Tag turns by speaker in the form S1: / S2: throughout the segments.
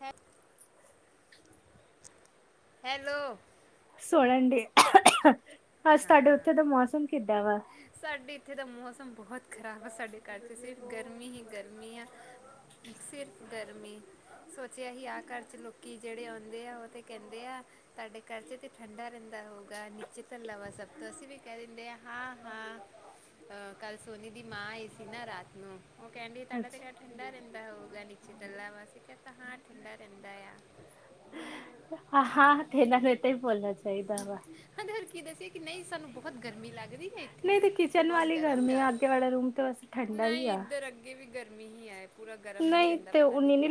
S1: ਹੈ ਹੈਲੋ।
S2: ਸੁਣਨ ਡਆ, ਅੱਜ ਤੁਆਡੇ ਓਥੇ ਦਾ ਮੌਸਮ ਕਿੱਦਾਂ ਵਾ?
S1: ਸਾਡੇ ਇੱਥੇ ਤੇ ਮੌਸਮ ਬੋਹਤ ਖ਼ਰਾਬ ਆ ਸਾਡੇ ਘਰ 'ਚ ਸਿਰਫ ਗਰਮੀ ਹੀ ਗਰਮੀ ਆ, ਸਿਰਫ ਗਰਮੀ। ਸੋਚਿਆ ਹੀ ਆਹ ਘਰ 'ਚ ਲੋਕੀ ਜੇੜੇ ਆਉਂਦੇ ਆ ਓ ਤੇ ਕਹਿੰਦੇ ਆ ਤੁਹਾਡੇ ਘਰ 'ਚ ਤੇ ਠੰਡਾ ਰਹਿੰਦਾ ਹੋਊਗਾ, ਨੀਚੇ ਧਲਾ ਵਾ ਸਭ ਤੋਂ, ਅਸੀਂ ਵੀ ਕਹਿ ਦਿੰਦੇ ਹਾਂ। ਹਾਂ। ਅਹ ਕੱਲ ਸੋਨੀ ਦੀ ਮਾਂ ਆਈ ਸੀ ਨਾ ਰਾਤ ਨੂੰ, ਓ ਕਹਿੰਦੀ ਤੁਹਾਡਾ ਤੇ
S2: ਅੱਛਾ
S1: ਘਰ ਠੰਡਾ ਰਹਿੰਦਾ ਹੋਊਗਾ ਨੀਚੇ ਤੱਲਾ ਵਾ। ਮੈਂ ਕਹ ਤਾ, ਹਾਂ ਠੰਡਾ ਰਹਿੰਦਾ ਆ।
S2: ਹਾਂ, ਤੇ ਏਨਾਂ ਨੂੰ ਏਦਾਂ ਈ ਬੋਲਣਾ ਚਾਹੀਦਾ ਵਾ।
S1: [unintelligible] ਕੀ ਦੱਸੀਏ ਕਿ ਨਈ ਸਾਨੂੰ ਬੋਹਤ ਗਰਮੀ ਲੱਗਦੀ ਏ ਏਥੇ
S2: ਨਹੀਂ
S1: ਤੇ
S2: ਕਿਚਨ
S1: ਬੋਹਤ
S2: ਵਾਲੀ
S1: ਗਰਮ
S2: ਗਰਮੀ ਆ ਅੱਗੇ ਵਾਲਾ ਰੂਮ ਤੇ ਵੈਸੇ ਠੰਡਾ ਹੀ
S1: ਨਈ
S2: ਆ
S1: ਇੱਧਰ ਅੱਗੇ ਵੀ ਗਰਮੀ ਹੀ ਹੈ, ਪੂਰਾ ਗਰਮ ਹੀ ਰਹਿੰਦਾ ਪਤਾ ਨਹੀਂ ਕਿਉਂ।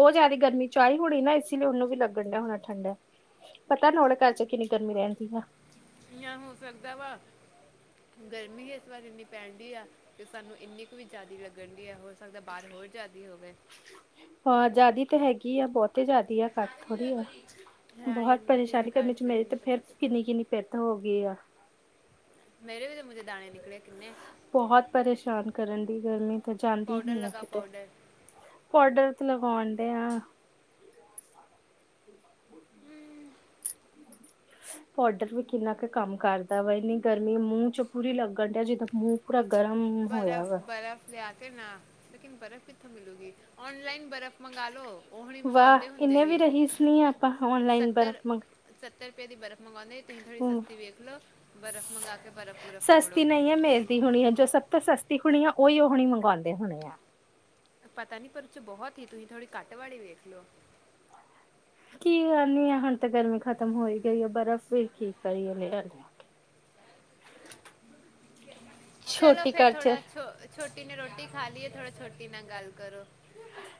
S2: ਓ ਜ਼ਿਆਦੀ ਗਰਮੀ 'ਚ ਆਈ ਹੋਣੀ ਨਾ ਇਸ ਲਈ ਓਨੂੰ ਵੀ ਲੱਗਣ ਡਿਆ ਹੋਣਾ ਠੰਡਾ। ਪਤਾ ਨਾ ਓਨਾਂ ਘਰ 'ਚ ਕਿੰਨੀ ਗਰਮੀ ਰਹਿੰਦੀ ਆ।
S1: ਯਾ ਹੋ ਸਕਦਾ ਵਾ, ਗਰਮੀ ਇਸ ਵਾਰ ਇਨੀ ਪੈਨ ਡੀ ਆ। ਤੇ ਸਾਨੂੰ ਇੰਨੀ ਕੁ ਵੀ ਜ਼ਿਆਦੀ ਲੱਗਣ ਡੀ ਐ, ਹੋ ਸਕਦਾ ਬਾਰ ਹੋਰ ਜ਼ਿਆਦੀ ਹੋਵੇ।
S2: ਹਾਂ ਜਾਦੀ ਤੇ ਹੈਗੀ ਆ ਬਹੁਤ। ਜ਼ਿਆਦੀ ਆ ਕੱਟ ਥੋੜੀ ਆ
S1: ਰਾਣੀ
S2: ਬਹੁਤ
S1: ਆਂਟੀ ਦੇ
S2: ਪਰੇਸ਼ਾਨੀ
S1: ਘਰ
S2: ਕਰਨੇ ਚ ਮੇਰੀ
S1: ਰਹਿੰਦੀ
S2: ਤੇ
S1: ਤਾਂ
S2: ਫੇਰ
S1: ਪਤਾ ਤਾਂ
S2: ਕਿੰਨੀ-ਕਿੰਨੀ ਪਿੱਤ ਹੋ ਗਈ ਆ।
S1: ਮੇਰੇ ਵੀ ਤੇ ਮੂੰਹ ਤੇ ਦਾਣੇ ਨਿਕਲੇ ਕਿੰਨੇ।
S2: ਬਹੁਤ ਪਰੇਸ਼ਾਨ ਕਰਨ ਡੀ ਗਰਮੀ ਤਾਂ ਜਾਂਦੀ
S1: ਪਾਊਡਰ
S2: ਹੀ ਆ
S1: ਲਗਾ
S2: ਕਿਤੇ।
S1: ਪਾਊਡਰ
S2: ਪੋਡਰ ਤੇ ਲਗਾਉਂਦੇ ਆ। [inaudible] ਹ ਪਾਊਡਰ ਵੀ ਕਿੰਨਾ ਕੁ ਕੰਮ ਕਰਦਾ ਵਾ ਇੰਨੀ ਗਰਮੀ ਮੂੰਹ ਚ ਪੂਰੀ ਲੱਗਣ ਡਿਆ ਜਿੱਦੋਂ ਮੂੰਹ ਪੂਰਾ ਗਰਮ ਹੋਇਆ ਵਾ।
S1: ਲੈਆ ਕੇ ਨਾ ਲੇਕਨ ਬਰਫ਼ ਕਿੱਥੋਂ ਮਿਲੂਗੀ ਔਨਲਾਈਨ ਬਰਫ਼ ਮੰਗਾ ਲੋ। ਉਹ ਲੀ
S2: ਵਾਹ
S1: ਮੰਗਉਂਦੇ ਹੁੰਦੇ
S2: ਇੰਨੇ ਵੀ
S1: ਹੀ
S2: ਰਹੀਸ ਨੀ ਆਪਾਂ ਔਨਲਾਈਨ ਬਰਫ਼
S1: ਸੱਤਰ
S2: ਮੰਗ
S1: ਸੱਤਰ ਰੁਪਏ ਦੀ ਬਰਫ਼ ਮੰਗਵਾਉਂਦੇ ਤੁਸੀਂ ਥੋੜ੍ਹੀ
S2: ਹੂੰ
S1: ਸਸਤੀ ਵੇਖ ਲੋ ਬਰਫ਼ ਮੰਗਗਾ ਕੇ ਬਰਫ਼ ਬਰਫ਼ ਰਗੜੋ
S2: ਸਸਤੀ ਨਹੀਂ ਹੈ ਮਿਲਦੀ ਹੋਣੀ ਹੈ ਜੋ ਸਭ ਤੋਂ ਸਸਤੀ ਹੋਣੀ ਹੈ ਉਹੀ ਉਹਣੀ ਮੰਗਵਾਉਂਦੇ ਹੋਣੇ ਆ।
S1: ਪਤਾ ਨੀ ਪਰਚ ਬਹੁਤ ਹੀ ਤੁਸੀਂ ਥੋੜੀ ਕੱਟ ਵਾਲੀ ਵੇਖਲੋ।
S2: ਕੀ ਕਰਨੀ ਆ ਹੁਣ ਤਾਂ ਗਰਮੀ ਖਤਮ ਹੋ ਹੀ ਗਈ ਹੈ ਬਰਫ਼ ਵੀ ਕੀ ਕਰੀ [unintelligible] [inaudible]
S1: ਚਲੋ
S2: ਛੋਟੀ
S1: ਫੇਰ
S2: ਘਰ ਚ
S1: ਥੋੜਾ ਛ ਛੋਟੀ ਨੇ ਰੋਟੀ ਖਾ ਲੀ ਏ ਥੋੜਾ ਛੋਟੀ ਨਾਲ ਗੱਲ ਕਰੋ। [inaudible]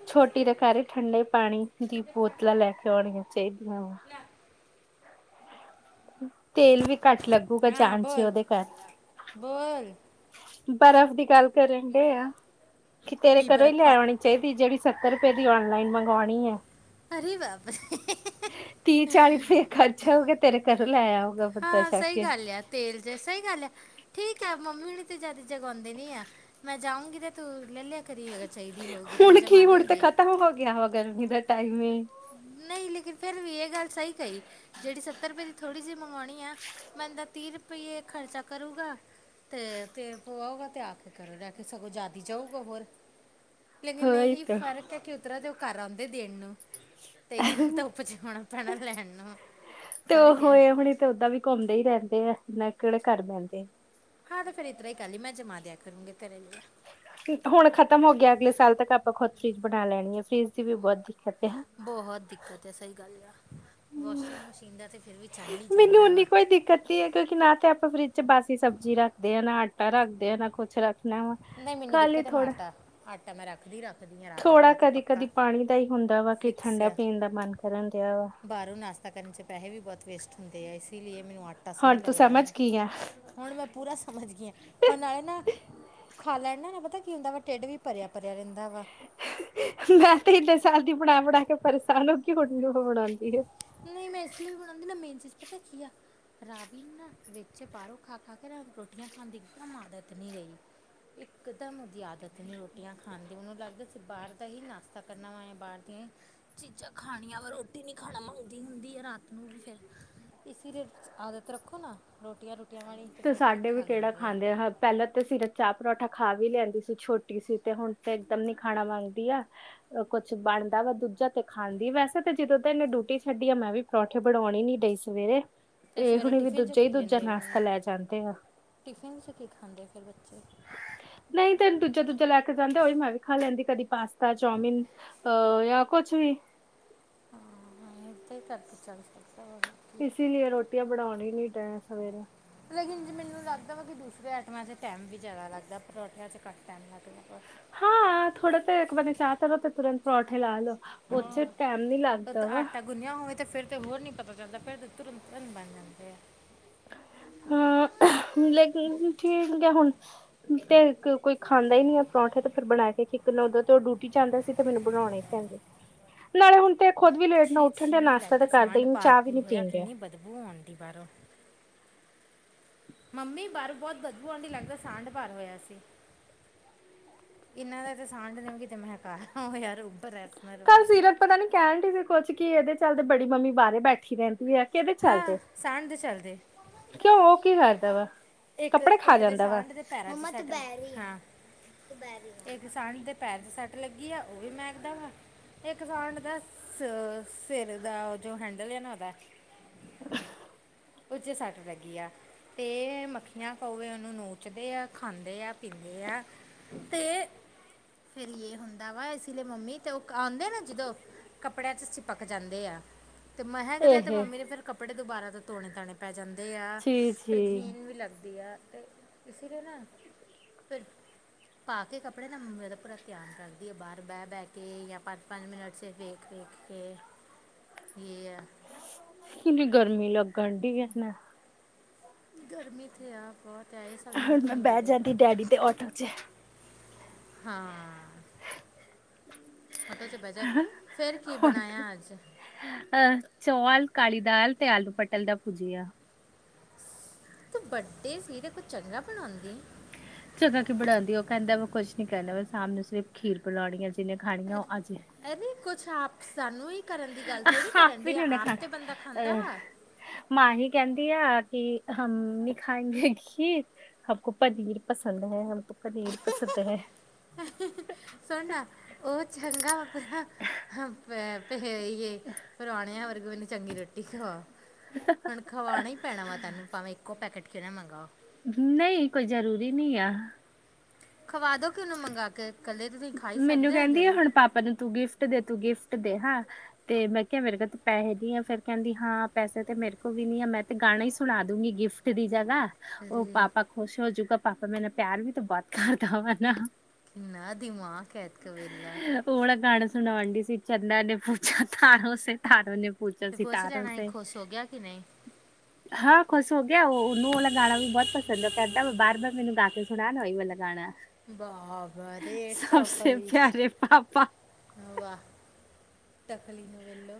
S2: ਛੋਟੀ ਦੇਕਾਰ ਠੰਡੇ ਪਾਣੀ ਦੀ ਬੋਤਲਾਂ ਲੈ ਕੇ ਆਉਣੀਆਂ ਚਾਹੀਦੀਆਂ ਵਾ। ਤੇਲ ਵੀ ਘੱਟ ਲੱਗੂਗਾ ਜਾਣ ਚ ਉਹਦੇ ਘਰ। ਬਰਫ਼ ਦੀ ਗੱਲ ਕਰਨ ਡੇਆ ਕਿ ਤੇਰੇ ਘਰੋਂ ਹੀ ਲੈ ਆਉਣੀ ਚਾਹੀਦੀ ਜਿਹੜੀ ਸੱਤਰ ਰੁਪਏ ਦੀ ਔਨਲਾਈਨ ਮੰਗਵਾਉਣੀ ਹੈ।
S1: ਹਰੇ ਬਾਪ
S2: ਤੀਹ-ਚਾਲੀ ਰੁਪਏ ਖਰਚਾ ਹੋਗੇ ਤੇਰੇ ਘਰੋਂ ਲੈ ਆਓ।
S1: ਹਾਂ ਸਹੀ ਗੱਲ ਆ ਤੇਲ ਚ ਸਹੀ ਗੱਲ ਆ। ਠੀਕ ਆ ਮੰਮੀ ਹੁਣੀ ਤੇ ਜਾਦਾ ਜਗਾਉਂਦੇ ਨੀ ਆ ਮੈਂ ਜਾਊਗੀ ਤੇ ਤੂੰ ਲੈ ਲਿਆ ਕਰੀ ਅਗਰ ਚਾਹੀਦੀ ਹੋਊਗੀ ਤੇ ਮੈਂ
S2: ਹੁਣ
S1: ਜਮਾ
S2: ਕੀ ਹੁਣ ਤੇ
S1: ਦੂੰਗੀ
S2: ਖਤਮ ਹੋ ਗਿਆ ਵਾ ਗਰਮੀ ਦਾ ਟਾਈਮ ਵੀ।
S1: ਨਹੀਂ ਲੇਕਿਨ ਫਿਰ ਵੀ ਇਹ ਗੱਲ ਸਹੀ ਕਹੀ ਜਿਹੜੀ ਸੱਤਰ ਰੁਪਏ ਦੀ ਥੋੜੀ ਜਿਹੀ ਮੰਗਵਾਉਣੀ ਆ ਬੰਦਾ ਤੀਹ ਰੁਪਈਏ ਖਰਚਾ ਕਰੂੰਗਾ ਤੇ ਤੇਰ ਪਆਊਗਾ ਤੇ ਆ ਕੇ ਕਰੋ ਡ ਕੇ ਸਗੋਂ ਜਾਦੀ ਜਾਊਗਾ ਹੋਰ। ਲੇਕਿਨ
S2: ਹੋਈ
S1: ਇਹੀ
S2: ਤਾਂ
S1: ਫਰਕ ਹੈ ਕਿ ਉਤਰਾ ਦੇ ਉਹ ਕਰ ਆਉਂਦੇ ਦੇਣ ਨੂੰ। ਤੇ ਇਤਨਾ ਧੁੱਪ 'ਚ ਹੋਣਾ ਪੈਣਾ ਲੈਣ ਨੂੰ
S2: ਤੇ ਉਹ
S1: ਫਰਕ ਹੈ
S2: ਹੋਏ ਹੁਣੀ ਤੇ ਓਦਾਂ ਵੀ ਘੁੰਮਦੇ ਹੀ ਰਹਿੰਦੇ ਆ ਮੈਂ ਕਿਹੜੇ ਘਰ ਬਹਿੰਦੇ।
S1: ਹਾਂ ਤੇ ਫੇਰ ਇਤਰ੍ਹਾਂ ਹੀ ਕਰ ਲਈ ਮੈਂ ਜਮਾ ਦਿਆ ਕਰੂੰਗੀ ਤੇਰੇ ਲਈ।
S2: ਹੁਣ ਖ਼ਤਮ ਹੋ ਗਿਆ ਅਗਲੇ ਸਾਲ ਤੱਕ ਆਪਾਂ ਖੁਦ ਫਰਿਜ ਬਣਾ ਲੈਣੀ ਆ ਫਰਿਜ ਦੀ ਵੀ ਬਹੁਤ ਦਿੱਕਤ ਆ।
S1: ਬਹੁਤ ਦਿੱਕਤ ਆ ਸਹੀ ਗੱਲ ਆ, ਵਾਸ਼ਿੰਗ ਮਸ਼ੀਨ ਦਾ ਤੇ ਫਿਰ ਵੀ ਚੱਲ ਹੀ
S2: ਮੈਨੂੰ
S1: ਜਾਂਦਾ
S2: ਉਨੀ
S1: ਵਾ।
S2: ਕੋਈ ਦਿੱਕਤ ਕਿਉਂਕਿ ਨਾ ਤੇ ਆਪਾਂ ਫਰਿੱਜ ਚ ਬਾਸੀ ਸਬਜ਼ੀ ਰੱਖਦੇ ਹਾਂ ਨਾ ਆਟਾ ਰੱਖਦੇ ਆ ਨਾ ਕੁੱਛ ਰੱਖ ਲੈ ਆਵਾ
S1: ਨਹੀਂ ਮੈਨੂੰ
S2: ਕੱਲ ਹੀ
S1: ਦਿੱਕਤ ਹੈ ਮੈਂ
S2: ਥੋੜਾ
S1: ਆਟਾ ਆਟਾ ਮੈਂ ਰੱਖਦੀ ਰੱਖਦੀ ਆ ਰਾਤ
S2: ਥੋੜਾ
S1: ਵਾਲਾ ਤੇ ਪੱਕਾ
S2: ਕਦੀ-ਕਦੀ ਪਾਣੀ ਦਾ ਹੀ ਹੁੰਦਾ ਵਾ ਕਿ
S1: ਫਿਕਸ
S2: ਠੰਡਾ
S1: ਆ
S2: ਪੀਣ ਦਾ ਮਨ ਕਰਨ ਦਿਆ ਵਾ।
S1: ਬਾਹਰੋਂ ਨਾਸ਼ਤਾ ਕਰਨ ਚ ਪੈਹੈ ਵੀ ਬਹੁਤ ਵੇਸਟ ਹੁੰਦੇ ਆ ਇਸੀ ਲੀਏ ਮੈਨੂੰ ਆਟਾ ਸਹੀ
S2: ਹੁਣ ਤੂੰ
S1: ਲੱਗਦਾ
S2: ਸਮਝ
S1: ਵਾ।
S2: ਗਈ ਆ
S1: ਹੁਣ ਮੈਂ ਪੂਰਾ ਸਮਝ ਗਈ ਹਾਂ ਹੁਣ ਆਏ ਨਾ ਖਾ ਲੈਨੇ ਨਾ ਪਤਾ ਕੀ ਹੁੰਦਾ ਵਾ ਢਿੱਡ ਵੀ ਭਰਿਆ-ਭਰਿਆ ਰਹਿੰਦਾ ਵਾ।
S2: ਮੈਂ ਤੇ ਇੰਨੇ ਸਾਲ ਦੀ ਬਣਾ-ਬਣਾ ਕੇ ਪਰੇਸ਼ਾਨ ਹੋ ਕੇ ਹੁਣ ਉਹ ਬਣਾਉਂਦੀ ਏ।
S1: ਨਈ ਮੈਂ ਇਸ ਲਈ ਵੀ ਬਣਾਉਂਦੀ ਨ ਮੇਨ ਚੀਜ਼ ਪਤਾ ਕੀ ਆ ਰਾਤੀ ਨਾ ਵਿੱਚ ਬਾਹਰੋਂ ਖਾ ਖਾ ਕੇ ਰ ਰੋਟੀਆਂ ਖਾਣ ਦੀ ਇੱਕਦਮ ਆਦਤ ਨਈ ਰਹੀ। ਇਕਦਮ ਉਹਦੀ ਆਦਤ ਨੇ ਰੋਟੀਆਂ ਖਾਣ ਦੀ ਉਹਨੂੰ ਲੱਗਦਾ ਸੀ ਬਾਹਰ ਦਾ ਹੀ ਨਾਸ਼ਤਾ ਕਰਨਾ ਵਿ ਬਾਹਰ ਦੀਆ ਹੀ ਚੀਜ਼ਾਂ ਖਾਣੀਆਂ ਵਾ ਰੋਟੀ ਨਈ ਖਾਣਾ ਮੰਗਦੀ ਹੁੰਦੀ ਹੈ ਰਾਤ ਨੂੰ ਵੀ ਫਿਰ ਇਸ ਲਈ ਆਦਤ ਰੱਖੋ ਨਾ ਰੋਟੀਆਂ ਰੂਟੀਆਂ ਖਾਣੀਆਂ
S2: ਤੇ
S1: ਫਿਰ ਠੀਕ
S2: ਸਾਡੇ ਵੀ
S1: ਖਾ
S2: ਕਿਹੜਾ
S1: ਲੇਂਦੇਹੈ
S2: ਖਾਂਦੇ ਆ ਪਹਿਲਾਂ ਤਾਂ ਫਿਰ ਚਾ ਪਰੌਂਠਾ ਖਾ ਵੀ ਲੈਂਦੀ ਸੀ ਛੋਟੀ ਸੀ ਤੇ ਹੁਣ ਤੇ ਇੱਕਦਮ ਹੀ ਖਾਣਾ ਮੰਗਦੀ ਆ ਕੁਛ ਬਣਦਾ ਵਾ ਦੂਜਾ ਤੇ ਖਾਂਦੀ ਤੇ ਜਦੋਂ ਤਨੇ ਡੁ ਰੋਟੀ ਛੱਡੀ ਆ ਮੈਂ ਵੀ ਪਰੌਠੇ ਬਣਾਉਉਣ ਨੀ ਡਈ ਸਵੇਰੇ
S1: ਤੇ
S2: ਇਹ
S1: ਸਵੇਰੇ
S2: ਹੁਣ ਵੀ
S1: ਟਿਫਿਨ ਚ
S2: ਦੂਜਾ ਹੀ
S1: ਕੀ
S2: ਦੂਜਾ
S1: ਲੈਂਦੇ ਹੁਣੇ
S2: ਨਾਸ਼ਤਾ ਲੈ ਜਾਂਦੇ ਆ
S1: ਟਿਫਿਨ 'ਚ ਕੀ ਖਾਂਦੇ ਫਿਰ ਬੱਚੇ
S2: ਨਹੀਂ ਤੈਨੂੰ ਦੂਜਾ ਦੂਜਾ ਲੈ ਕੇ ਜਾਂਦੇ ਉਹੀ ਮੈਂ ਵੀ ਖਾ ਲੈਂਦੀ ਕਦੀ ਪਾਸ ਤਾਂ ਚਾਓਮਨ ਅ ਯ ਕੁਛ ਵੀ
S1: ਮੈ ਤੇ ਕਰਕੇ ਚਲ
S2: ਇਸ ਲਈ ਰੋਟੀਆਂ ਬਣਾਉਣ ਹੀ ਨੀ ਤੈ ਸਵੇਰੇ
S1: ਲੇਕਿਨ ਜੇ ਮੈਨੂੰ ਲੱਗਦਾ ਵਾ ਕਿ ਦੂਸਰੇ ਆਈਟਮਾਂ 'ਚ ਟਾਈਮ ਵੀ ਜ਼ਿਆਦਾ ਲੱਗਦਾ ਪਰੌਠਿਆਂ 'ਚ ਘੱਟ ਟਾਈਮ ਲੱਗਦਾ ਵ
S2: ਹਾਂ ਥੋੜੇ ਤੇ ਏਕ ਵਰੀ ਚਾਹਤਰੋ ਤੇ ਤੁਰੰਤ ਪਰੌਠੇ ਲ ਆਲੋ ਉਥੇ ਟੈਮ ਨੀ ਲੱਗਦਾ ਵਾ
S1: ਗੁਨਿਆ ਹੋਵੇ ਤੇ ਫਿਰਰ ਤੇ ਹੋਰ ਨੀ ਪਤਾ ਚੱਲਦਾ ਫਿਰਰ ਤੁਰੰਤ ਤੁਰੰਤ ਬਣ ਜਾਂਦੇ ਆ
S2: ਹਾਂ ਲੇਕ ਠੀਕ ਆ ਹੁਣ ਤੇ ਕੋਈ ਖਾਂਦਾ ਹੀ ਨਹੀਂੀ ਪਰੌਂਠੇ ਤੇ ਫਿਰਰ ਬਣਾ ਕੇ ਖਕ ਉ ਤੋਂ ਠੀਕ ਚੱਲਦਾ ਸੀ ਤੇ ਮੈਨੂੰ ਬਣਾਉਣੇ ਹੀ ਪੈਂਦੇ ਸੀ ਨਾਲੇ ਹੁਣ ਤੇ ਖੁਦ ਵੀ ਲੇਟ ਨਾਲ
S1: ਛੀ
S2: ਉੱਠਣ ਡਿਆ
S1: ਛੀ
S2: ਨਾਸ਼ਤਾ ਤਾਂ ਕਰਦੇਨ ਚਾਹ ਵੀ ਨੀ ਪੀਣ ਡਿਆ
S1: ਬੂਆ ਆਂਦੀ ਬਾਰੋ ਮੰਮੀ ਬਾਹਰ ਬਹੁਤ ਬਦਬੂ ਆਂਢੀ ਲੱਗਦਾ ਸਾਂਡ ਭਰ ਹੋਇਆ ਸੀ ਇਹਨਾਂ ਦਾ ਤੇ ਸਾਂਡ ਦਿਓ ਕਿਤੇ ਮੈਂਹਕਾ ਹੋਆ ਰੂਮ ਫਰੇਸ਼ਨਰ
S2: ਕੱਲ
S1: ਵਰਗੀ
S2: ਸੀਰਤ ਪਤਾ ਨੀ ਕਹਿਣ ਡ ਸੀ ਕੁਛ ਕਿ ਇਹਦੇ ਚੱਲਦੇ ਬੜੀ ਮੰਮੀ ਬਾਹਰ ਬੈਠੀ ਰਹਿੰਦੀ ਹੈ ਕਿਹਦੇ
S1: ਹਾਂ
S2: ਚਲਦੇ
S1: ਸਾਂਣ ਦੇ ਚਲਦੇ
S2: ਕਿਉਂ ਉਹ ਕੀ ਕਰਦਾ ਵਾ
S1: ਇੱਕ
S2: ਕੱਪੜੇ ਖਾ
S1: ਇੱਕ ਦੇ
S2: ਜਾਂਦਾ ਵਾ
S1: ਸਾਂਡ ਦੇ ਮੰਮਾ ਦੋਪਹਰੀ ਇੱਕ ਸਾਂਢ ਦੇ ਪੈਰ ਚ ਸੱਟ ਲੱਗੀ ਆ ਉਹ ਵੀ ਮਹਕਦਾ ਵਾ ਇਹ ਸਾਡ ਦਾ ਸ ਸਿਰ ਦਾ ਜੋ ਹੈਂਡਲ ਹੈ ਨਾ ਉਹਦਾ
S2: [unintelligible]
S1: ਉਹ ਚ ਸੱਟ ਲੱਗੀ ਆ ਤੇ ਮੱਖੀਆਂ ਕਵੇ ਉਹਨੂੰ ਨੂਚਦੇ ਆ ਖਾਂਦੇ ਆ ਪੀਂਦੇ ਆ ਤੇ ਫੇਿਰ ਇਹ ਹੁੰਦਾ ਵਾ ਇਸ ਲਈ ਮੰਮੀ ਤੇ ਉਹ ਆਉਂਦੇ ਨੇ ਜਦੋਂ ਕੱਪੜਿਆਂ ਚ ਚਿਪਕ ਜਾਂਦੇ ਆ ਤੇ ਮੈਂਹਕ ਦੇ ਤੇ
S2: ਇਹ
S1: ਮੰਮੀ ਨੇ ਫਿਰ ਕੱਪੜੇ ਦੁਬਾਰਾ ਤੋਂ ਧੋਣੇ ਤਾਉਣੇ ਪੈ ਜਾਂਦੇ ਆ
S2: ਜੀ
S1: ਫਿਰ
S2: ਜੀ
S1: ਗੀਣ ਵੀ ਲੱਗਦੀ ਆ ਅਤੇ ਇਸ ਲਈ ਨਾ ਫਿਰ ਪਾ ਕੇ ਕੱਪੜੇ ਨਾ ਮੰਮੇ ਦਾ ਪੂਰਾ ਧਿਆਨ ਰੱਖਦੀ ਹੈ ਬਾਹਰ ਬਹਿ ਬਹਿ ਕੇ ਜਾਂ ਪੰਜ ਪੰਜ ਮਿੰਟ ' ਵੇਖ ਵੇਖ ਓ ਕੇ ਇਹ ਆ
S2: ਕਿੰਨੀ ਗਰਮੀ ਲੱਗਣ ਡ ਨਾ
S1: ਗਰਮੀਥੇ ਆ ਬਹੁਤ ਆਏ ਸਾਨੂੰ
S2: ਹੁਣ ਮੈਂ
S1: ਮਨੀ
S2: ਬਹਿ
S1: ਵਾਰੇ
S2: ਜਾਂਦੀ ਡੈਡੀ ਦੇ ਆਟੋ ਚ
S1: ਹਾਂ ਹੋਟਲ ਚ ਬਹਿਜਾ ਫੇਿਰ ਕੀ ਬਣਾਇਆ ਅੱਜ
S2: ਅਹ ਚੌਲ ਕਾਲੀ ਦਾਲ ਤੇ ਆਲੂ ਪਟਲ ਦਾ ਭੁਜੀਿਆ
S1: ਤੂੰ ਵੱਡੇ ਸਿਰਫ ਚਗਰਾ ਬਣਾਉਂਦੇ
S2: ਜਗਾ ਕਿਉ ਬਣਾਾਉਂਦੀ ਉਹ ਕਹਿੰਦਾ ਮੈਂ ਕੁੱਝ ਨੀ ਕਰਨਾ ਮੈਂ ਸ਼ਾਮ ਨੂੰ ਸਿਰਫ਼ ਖੀਰ ਬਣਾਉਨੀ ਹੈ ਜਿੰਨੇ ਖਾਣੀਆਂ ਉਹ
S1: ਅਰ-
S2: ਆਜੇ
S1: ਅਰੇ ਕੁਛ ਆਪ ਸਾਨੂੰ ਹੀ ਕਰਨ ਦੀ ਗੱਲ ਥੋੜ੍ਹੀ ਕਰਨ
S2: ਆਪ
S1: ਡਏ ਆਪ ਤੇ ਬੰਦਾ ਖਾਂਦਾ ਵਾ।
S2: ਮਾਂਹੀ ਕਹਿੰਦੀ ਆਸੀ ਹਨ ਨੀ ਖਾਏਂਗੇ ਖੀਰ ਹਮ ਕੋ ਪਨੀਰ ਪਸੰਦ ਹੈ ਹਮ ਕੋ ਪਨੀਰ ਪਸੰਦ ਹੈ।
S1: ਸੁਣ ਨਾ, ਉਹ ਚੰਗਾ ਵ ਤੇ ਏ ਹੀ ਏ ਪਰੋਣਿਆਂ ਵਰਗਈ ਉਹਨੂੰ ਚੰਗੀ ਰੋਟੀ ਖਵਾ। ਹੁਣ ਖਵਾਣਾ ਹੀ ਪੈਣਾ ਵਾ, ਤੈਨੂੰ ਭਾਵੇਂ ਇੱਕੋ ਪੈਕੇਟ ਕਿਵੇਂ ਮੰਗਾਓ?
S2: ਨਹੀਂ, ਕੋਈ ਜ਼ਰੂਰੀ ਨਹੀਂ ਆ।
S1: ਖਵਾ ਦੋ ਕਿ ਉਹਨੂੰ ਮੰਗਵਾ ਕੇ। ਇਕੱਲੇ ਤਾਂ ਤੁਸੀਂ ਖਾ ਹੀ
S2: ਮੈਨੂੰ
S1: ਸਕਦੇ
S2: ਕਹਿੰਦੀ ਆ,
S1: ਜ਼ਰੂਰ
S2: ਹੁਣ ਪਾਪਾ ਨੂੰ ਤੂੰ ਗਿਫਟ ਦੇ- ਤੂੰ ਗਿਫਟ ਦੇ ਹਾਂ। ਤੇ ਮੈਂ ਕਿਹਾ, ਮੇਰੇ ਕੋਲ ਤੇ ਪੈਸੇ ਨੀ ਆ, ਫੇਰ ਕਹਿੰਦੀ ਹਾਂ, ਪੈਸੇ ਤੇ ਮੇਰੇ ਕੋਲ ਵੀ ਨੀ ਆ, ਮੈਂ ਤੇ ਗਾਣਾ ਹੀ ਸੁਣਾ ਦੂੰਗੀ ਗਿਫਟ ਦੀ ਜਾਗਾ ਉਹ
S1: ਅਰੇ
S2: ਪਾਪਾ ਖੁਸ਼ ਹੋਜੂਗਾ, ਪਾਪਾ ਮੇਰਾ ਪਿਆਰ ਵੀ ਬਹੁਤ ਕਰਦਾ ਵਾ ਨਾ।
S1: ਨਾ ਦਿਮਾਗ ਐਤ ਕ ਵੇਲਾ
S2: ਉਹ ਵਾਲਾ ਗਾਣਾ ਸੁਣਾਣ ਡਈ ਸੀ, ਚੰਦਾ ਨੇ ਪੂਛਾ ਤਾਰੋ ਸ ਤਾਰੋ ਨੇ ਪੁੱਛਾ
S1: ਤੇ ਖੁਸ਼
S2: ਸਿਤਾਰੋ
S1: ਰਹਿਣਾ ਏ, ਖੁਸ਼ ਹੋ ਗਿਆ ਕਿ ਨਹੀਂ?
S2: ਹਾਂ, ਖੁਸ਼ ਹੋ ਗਿਆ, ਉਲੂ ਵਾਲਾ ਗਾਣਾ ਵੀ ਬਹੁਤ ਪਸੰਦ ਉਹ ਕਹਿੰਦਾ, ਬਾਰ ਬਾਰ ਮੈਨੂੰ ਗਾ ਕੇ ਸੁਣਾ ਨਾ ਉਹੀ ਵਾਲਾ ਗਾਣਾ।
S1: ਬਾਬਾਰੇ ਟੋਕਲੀ
S2: ਜੇ ਆਪਾਂ
S1: ਵਾਹ! ਤਕਲੀ ਨੂੰ ਵੇਹਲੋ,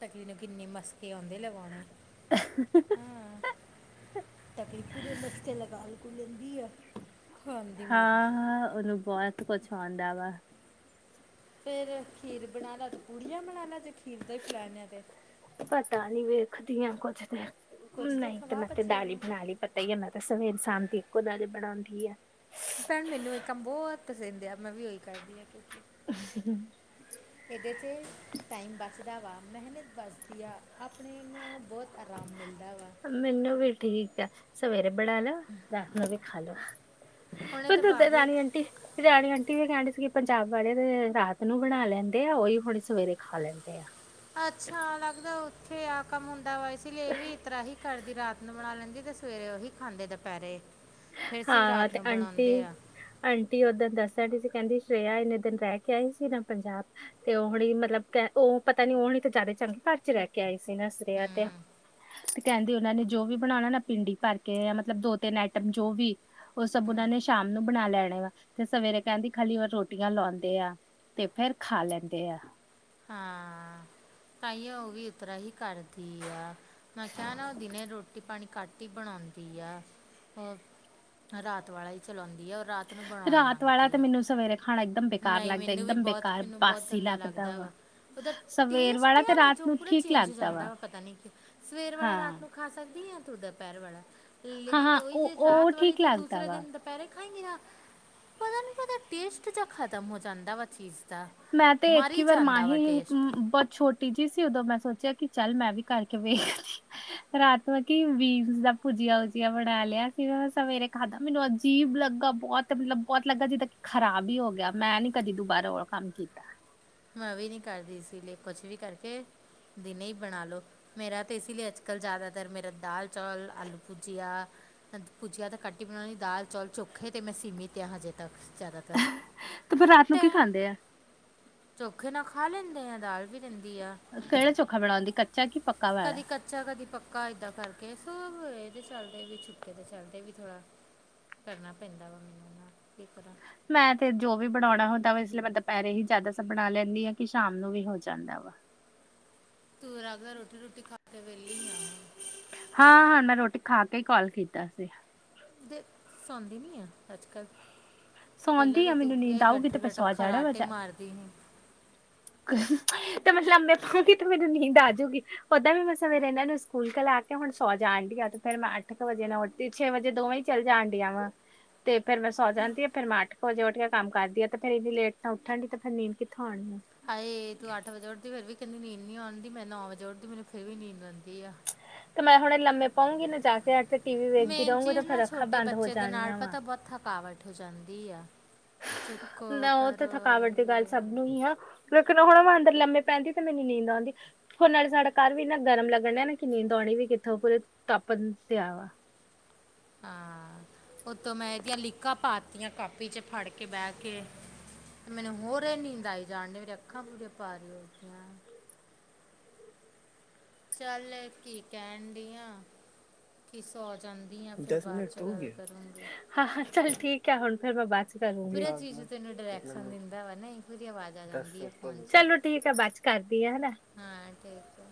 S1: ਤਕਲੀ ਨੂੰ ਕਿੰਨੀ ਮਸਕੇ ਆਉਂਦੇ ਲਗਾਉਣੇ। ਹਾਂ, ਤਕਲੀ ਪੂਰੇ ਮਸਕੇ ਲਗਾ ਲਗੂ ਲੈਂਦੀ ਆ। ਖਾਣ ਦੀ
S2: ਹਾਂ,
S1: ਮਾਰੀ
S2: ਹਾਂ ਉਹਨੂੰ ਬਹੁਤ ਕੁਛ ਆਉਂਦਾ ਵਾ।
S1: ਫਿਰ ਖੀਰ ਬਣਾਣਾ, ਤੇ ਪੂੜੀਆਂ ਬਣਾਣਾ, ਜੇ ਖੀਰ ਦਾ ਹੀ ਪਲੈਨ ਹੈ ਤੇ
S2: ਪਤਾ ਨੀ ਵੇਖਦੀ ਹਾਂ ਕੁੱਝ
S1: ਕੁਝ
S2: ਨਹੀਂ, ਤੇ
S1: ਖਵਾ
S2: ਮੈਂ ਤਾਂ
S1: ਬੱਚਿਆਂ
S2: ਦਾਲੀ
S1: ਨੂੰ
S2: ਬਣਾ ਲਈ। ਨੀ ਆ, ਮੈਂ ਤਾਂ ਸਵੇਰ, ਸ਼ਾਮ ਦੀ ਇੱਕੋ ਦਾਲ ਬਣਾਉਂਦੀ ਆ।
S1: ਭੈਣ ਮੈਨੂੰ ਇਹ ਕੰਮ ਬਹੁਤ ਪਸੰਦ ਆ, ਮੈਂ ਵੀ ਉਹੀ ਕਰਦੀ ਹਾਂ। ਕਿਉਂਕਿ
S2: [inaudible]
S1: ਇਹਦੇ 'ਚ ਟਾਈਮ ਬਚਦਾ ਵਾ, ਮਿਹਨਤ ਬਚਦੀ ਵਾ, ਆਪਣੇ ਨੂੰ ਬਹੁਤ ਆਰਾਮ ਮਿਲਦਾ ਵਾ।
S2: ਮੈਨੂੰ ਵੀ ਠੀਕ ਆ, ਸਵੇਰੇ ਬਣਾ ਲੋ, ਰਾਤ ਨੂੰ ਵੀ ਖਾ ਲੋੋ।
S1: ਉਹਨੇ ਤੇ
S2: ਬਧ ਉਧਰ
S1: ਬਾਬੂ
S2: ਰਾਣੀ ਆਂਟੀ। ਰਾਣੀ ਆਂਟੀ ਵੀ ਕਹਿਣ ਡਈ ਸੀਗੀ। ਪੰਜਾਬ ਵਾਲੇ ਤੇ ਰਾਤ ਨੂੰ ਬਣਾ ਲੈਂਦੇ ਆ, ਉਹੀ ਹੁਣੇ ਸਵੇਰੇ ਖਾ ਲੈਂਦੇ ਆ।
S1: ਅੱਛਾ, ਲੱਗਦਾ ਉੱਥੇ ਆ ਕੰਮ ਹੁੰਦਾ ਵਾ, ਇਸ ਲਈ ਇਹ ਵੀ ਇਸ ਤਰ੍ਹਾਂ ਹੀ ਕਰਦੇ ਵੀ ਰਾਤ ਨੂੰ ਬਣਾ ਲੈਂਦੀ, ਤੇ ਸਵੇਰੇ ਉਹੀ ਖਾਂਦੇ, ਦੁਪਹਿਰੇ ਫੇਰ ਅਸੀਂ ਵੀ
S2: ਹਾਂ
S1: ਰਾਤ
S2: ਤੇ
S1: ਨੂੰ
S2: ਆਂਟੀ
S1: ਬਣਾਉਂਦੇ ਆ।
S2: ਆਂਟੀ ਓਦਨ ਦੱਸਣ ਡਈ ਸੀ ਕਹਿੰਦੀ ਸ਼੍ਰੇਆ ਇੰਨੇ ਦਿਨ ਰਹਿ ਕੇ ਆਈ ਸੀ ਨਾ ਪੰਜਾਬ ਤੇ ਉਹ ਹੁਣੀ ਮਤਲਬ ਕ, ਉਹ ਪਤਾ ਨੀ, ਉਹ ਨੀ ਤਾਂ ਜ਼ਿਆਦਾ ਚੰਗੇ ਘਰ ਚ ਰਹਿ ਕੇ ਕਹਿ ਰਹੀ ਸੀ ਦੱਸਿਆ ਤੇ
S1: ਹੂੰ
S2: ਤੇ ਕਹਿੰਦੇ, ਉਹਨਾ ਨੇ ਜੋ ਵੀ ਬਣਾਉਣਾ ਨਾ, ਭਿੰਡੀ ਭਰ ਕੇ ਮਤਲਬ ਦੋ- ਤਿੰਨ ਆਈਟਮ ਜੋ ਵੀ ਉਹ ਸਭ ਉਹਨਾਂ ਨੇ ਸ਼ਾਮ ਨੂੰ ਬਣਾ ਲੈਣੇ ਵਾ। ਤੇ ਸਵੇਰੇ ਕਹਿੰਦੀ, ਖਾਲੀ ਰੋਟੀਆਂ ਲਾਉਂਦੇ ਆ ਤੇ ਫੇਰ ਖਾ ਲੈਂਦੇ ਆ।
S1: ਹਾਂ, ਤਹੀਉ ਉਹ ਵੀ, ਇਸ ਤਰ੍ਹਾਂ ਹੀ ਕਰਦੀ ਆ। ਮੈਂ ਕਿਹਾ, ਨਾ ਉਹ ਦਿਨੇ ਰੋਟੀ, ਪਾਣੀ ਘੱਟ ਹੀ ਬਣਾਉਂਦੀ ਆ ਹੋਰ ਰਾਤ ਵਾਲਾ ਹੀ ਚਲਾਉਂਦੀ ਆ
S2: ਰਾਤ ਵਾਲਾ ਤੇ ਮੈਨੂੰ ਸਵੇਰੇ ਖਾਣੱ
S1: ਨਈ ਮੈਨੂੰ ਵੀ ਬੋਤ, ਮੈਨੂੰ ਬੋਤ ਗੰਦਾ ਲੱਗਦਾ ਵਾ। ਓਦਾ
S2: ਸਵੇਰ
S1: ਟੇਸਟ
S2: ਵਾਲਾ ਤੇ
S1: ਆ ਨਾ,
S2: ਰਾਤ
S1: ਜੋ
S2: ਨੂੰ
S1: ਪੂਰਾ
S2: ਠੀਕ
S1: ਚੇਂਜ ਹੋ
S2: ਲੱਗਦਾ ਵਾ
S1: ਜਾਂਦਾ ਪਤਾ ਨੀ ਕਿ, ਸਵੇਰ ਵਾਲਾ
S2: ਹਾਂ
S1: ਰਾਤ ਨੂੰ ਖਾ ਸਕਦੀ ਆ, ਤੋਂ ਦੁਪਹਿਰ ਵਾਲਾ
S2: ਹਾਂ
S1: ਲੇਕਿਨ
S2: ਹਾਂ
S1: ਓਈ
S2: ਉਹ
S1: ਜੇ
S2: ਉਹ
S1: ਰਾਤ ਵਾਲੀ,
S2: ਠੀਕ
S1: ਤੋਂ
S2: ਲੱਗਦਾ
S1: ਦੂਸਰੇ
S2: ਵਾ
S1: ਦਿਨ ਦੁਪਹਿਰੇ ਖਾਏਂਗੀ ਨਾ, ਪਤਾ ਨੀ ਓਦਾ ਟੇਸਟ ਜਾਂ ਖਤਮ ਹੋ ਜਾਂਦਾ ਵਾ ਚੀਜ਼ ਦਾ।
S2: ਮੈਂ, ਤੇ
S1: ਮਰ
S2: ਇੱਕ ਹੀ ਵਾਰ ਮਾਂ
S1: ਜਾਂਦਾ
S2: ਹੀ
S1: ਵਾ ਟੇਸਟ
S2: ਬੋਤ ਛੋਟ ਟੀ ਜੀ ਸੀ, ਓਦੋਂ ਮੈਂ ਸੋਚਿਆ ਕਿ ਚੱਲ ਮੈਂ ਵੀ ਕਰਕੇ ਵੇਖ ਲੈਂਦੀ ਰਾਤ ਨੂੰ ਮੈਂ ਕਿ ਵਿਨਸ ਦਾ ਭੁਜੀਆ-ਉੁਜੀਆ ਬਣਾ ਲਿਆ ਸੀ, ਮੈਂ ਸਵੇਰੇ ਖਾਧਾ ਮੈਨੂੰ ਅੱ ਅਜੀਬ ਲੱਗਾ ਬੋਤ ਮਤਲਬ, ਬੋਤ ਲੱਗਾ ਜਿੱਦਾਂ ਕਿ ਖਰਾਬ ਈ ਹੋ ਗਿਆ ਮੈਂ ਨੀ ਕਦੀ ਦੁਬਾਰਾ ਓ ਆਲਾ ਕੰਮ ਕੀਤਾ।
S1: ਮੈਂ ਵੀ ਨੀ ਕਰਦੀ ਸੀ, ਲੇ ਕੁਛ ਵੀ ਕਰਕੇ ਦਿਨੇ ਈ ਬਣਾ ਲਓ। ਮੇਰਾ ਤੇ ਇਸੀ ਲਈ ਅੱਜ-ਕੱਲ੍ਹ ਜ਼ਿਆਦਾਤਰ ਮੇਰਾ ਦਾਲ ਚੌਲ ਆਲੂ ਭੁਜੀਆ ਭੁੱਜਆ ਤਾਂ ਘੱਟ ਈ ਬਣਾਉਣੀ ਦਾਲ ਚੌਲ ਚੋਖੇ ਤੇ ਮੈਂ ਸੀਮੀਤ ਆ ਹਜੇ ਤੱਕ ਜ਼ਿਆਦਾਤਰ।
S2: ਤੇ ਫਿਰ ਰਾਤ ਨੂੰ
S1: ਟੈ
S2: ਕੀ ਖਾਂਦੇ ਐ?
S1: ਚੋਖੇ ਨਾ ਖਾ ਲੈਂਦੇ ਐ ਦਾਲ ਵੀ ਰਹਿੰਦੀ ਆ।
S2: ਕੇੜਾ ਚੋਖਾ ਬਣਾਉਂਦੀ ਕੱਚਾ ਕੀ ਪੱਕਾ ਵਾਲਾ?
S1: ਕਦੀ ਕੱਚਾ ਕਦੀ ਪੱਕਾ ਏਦਾਂ ਕਰਕੇ ਸੋ ਏਦੇ ਚੱਲਦੇ ਵੀ ਛੁੱਕੇ ਤੇ ਚੱਲਦੇ ਵੀ ਥੋੜਾ ਕਰਨਾ ਪੈਂਦਾ ਵਾ ਮੈਨੂੰ ਨਾ ਕੀ ਤਰ੍ਹਾਂ।
S2: ਮੈਂ ਤੇ ਜੋ ਵੀ ਬਣਾਉਣਾ ਹੁੰਦਾ ਵਾ ਇਸ ਲਈ ਮੈਂ ਦੁਪਹਿਰੇ ਹੀ ਜ਼ਿਆਦਾ ਸਾ ਬਣਾ ਲੈਂਦੀ ਆ ਕਿ ਸ਼ਾਮ ਨੂੰ ਵੀ ਹੋ ਜਾਂਦਾ ਵਾ।
S1: ਤੂੰ ਲੱਗਦਾ ਰੋਟੀ ਰੁਟੀ ਖਾ ਕੇ ਵੇਲੀ ਹੈ ਹੁਣ।
S2: ਹਾਂ-ਹਾਂ ਮੈਂ ਰੋਟੀ ਖਾ ਕੇ ਈ ਕਾਲ ਕੀਤਾ ਸੀ।
S1: ਦੇ ਸੌਉਂਦੀ ਨੀ ਆ ਅੱਜ-ਕੱਲ੍ਹ? ਪਹਿਲਾਂ
S2: ਸੌਂਦੀ ਆ
S1: ਤਾਂ ਤੂੰ
S2: ਮੈਨੂੰ ਨੀਂਦ
S1: ਇਹ
S2: ਆਊਗੀ ਤੇ ਮੈਂ
S1: ਗਟਰ-ਗਟਰ
S2: ਸੌ ਜਾਣਾ ਵਾ
S1: ਖਰਾਟੇ
S2: ਜਾ
S1: ਮਾਰਦੀ ਈ ਸੀ।
S2: ਤੇ ਮੈਂ ਲੰਮੇ ਪਊਂਗੀ ਤੇ ਮੈਨੂੰ ਨੀਂਦ ਆ ਜੂਗੀ। ਓਦਾਂ ਵੀ ਮੈਂ ਸਵੇਰੇ ਏਨਾਂ ਨੂੰ ਸਕੂਲ ਘਲਾ ਕੇ ਹੁਣ ਸੌ ਜਾਣ ਡੀ ਆਂ ਤੇ ਫੇਰ ਮੈਂ ਅੱਠ ਕੁ ਵਜੇ ਨੂੰ ਉੱਠ ਤੇ ਛੇ ਵਜੇ ਦੋਵੇਂ ਹੀ ਚੱਲ ਜਾਣ ਡੀਆਂ ਵਾਂ ਤੇ ਫੇਰ ਮੈਂ ਸੌ ਜਾਂਦੀ ਫੇਰ ਮੈਂ ਅੱਠ ਵਜੇ ਉੱਠ ਕੇ ਕੰਮ ਕਰਦੀ ਆ ਤੇ ਫੇਰ ਇੰਨੀ ਲੇਟ ਤਾਂ ਉਠਾਂਗੀ ਤੇ ਫਿਰ ਨੀਦ ਕਿੱਥੋਂ ਆਉਣੀ ਆ।
S1: ਹਾਏ ਤੂੰ ਅੱਠ ਵਜੇ ਉੱਠਦੀ ਫਿਰ ਵੀ ਕਹਿੰਦੀ ਨੀਂਦ ਨੀ ਆਉਣਦੀ ਮੈਂ ਨੌ ਵਜੇ ਉੱਠਦੀ ਮੈਨੂੰ ਫਿਰ ਵੀ ਨੀਂਦ ਆਉਂਦੀ ਆ।
S2: ਤੇ ਮੈਂ ਹੁਣੇ ਲੰਮੇ ਪਊਂਗੀ ਨਾ ਜਾ ਕੇ ਅੱਜ
S1: ਮੇਨ ਚੀਜ਼ ਨਾ ਛੋਟੇ ਬੱਚੇ ਦੇ ਨਾਲ
S2: ਜਾਣੀਆਂ ਵਾ
S1: ਪਤਾ ਬੋਤ ਥਕਾਵਟ ਹੋ ਜਾਂਦੀ ਆ। ਚੁੱਕੋ
S2: ਨਾ ਓ ਤੇ
S1: ਕਰੋ
S2: ਥਕਾਵਟ ਦੀ ਗੱਲ ਸਭ ਨੂੰ ਈ ਆ। ਲੇਕਿਨ ਹੁਣੈ ਮੈਂ ਅੰਦਰ ਲਮੇ ਪੈਂਦੀ ਤੇ ਮੈਨੂੰ ਨੀਂਦ ਆਉਂਦੀ। ਹੁਣ ਨਾਲੇ ਸਾਡਾ ਘਰ ਵੀ ਨਾ ਗਰਮ ਲੱਗਣ ਡਆ ਨਾ ਕਿ ਨੀਂਦ ਆਉਣੀ ਵੀ ਕਿੱਥੋਂ ਪੂਰੇ ਤਪਣ ਪਿਆ ਵਾ।
S1: ਹਾਂ ਉਤੋਂ ਮੈਂ ਏਦੀਆਂ ਲੀਕਾਂ ਪਾਤੀਆਂ ਕਾਪੀ 'ਚ ਫੜ ਕੇ ਬਹਿ ਕੇ। ਤੇ ਮੈਨੂੰ ਹੋਰ ਨੀਂਦ ਆਈ ਜਾਣ ਡੀ ਮੇਰੀ ਅੱਖਾਂ ਪੂਰੀ ਭਾਰੀ ਹੋ ਗਿਆਂ। ਚੱਲ ਕੀ ਕਹਨ ਡੀ ਆਂ। ਕੀ ਸੋਂ ਜਾਂਦੀ ਆਂ ਫਿਰ ਬਾਦ 'ਚ ਗੱਲ ਕਰੂੰਗੀ।
S2: ਹਾਂ-ਹਾਂ ਚੱਲ ਠੀਕ ਐ, ਹੁਣ ਫਿਰ ਮੈਂ ਬਾਦ 'ਚ ਕਰੂੰਗੀ,
S1: ਪੂਰਾ
S2: ਚਲੋ
S1: ਜੀਜੂ ਤੈਨੂੰ ਡਾਇਰੈਕਸ਼ਨ ਦਿੰਦਾ ਵਾ ਨਾ ਇਹ ਪੂਰੀ ਆਵਾਜ਼ ਆ ਜਾਂਦੀ ਆ ਫੋਨ 'ਚ
S2: ਠੀਕ ਐ ਬਾਦ ਚੋਂ ਕਰਦੀ ਆ ਹਨਾ।
S1: ਹਾਂ ਠੀਕ ਐ।